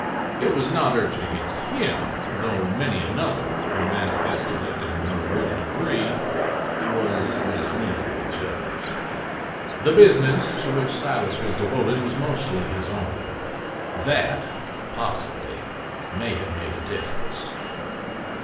It was not urged against him, though many another, who manifested it in no greater degree, was less leniently judged. The business to which Silas was devoted was mostly his own—that, possibly, may have made a difference.